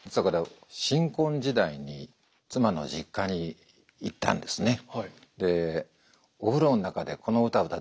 新婚時代に妻の実家に行ったんですね。